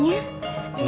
ini juga udah rapiat udah